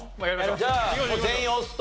じゃあもう全員押すと。